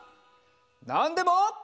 「なんでも」。